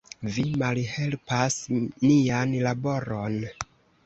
Vi malhelpas nian laboron.